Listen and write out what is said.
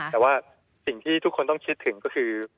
แต่ว่าสิ่งที่ทุกคนต้องคิดถึงก็คือ